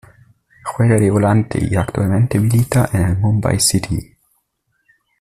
Juega de volante y actualmente milita en el Mumbai City.